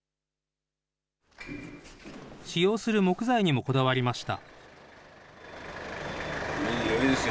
使用する木材にもこだわりました。